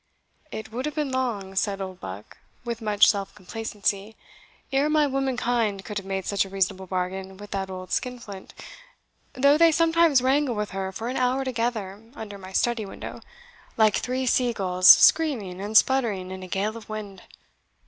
"It would have been long," said Oldbuck, with much self complacency, "ere my womankind could have made such a reasonable bargain with that old skin flint, though they sometimes wrangle with her for an hour together under my study window, like three sea gulls screaming and sputtering in a gale of wind.